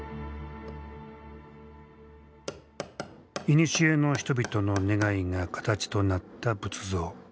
いにしえの人々の願いが形となった仏像。